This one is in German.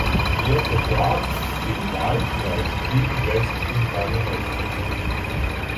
Er vertrat den Wahlkreis Kiel-West im Parlament.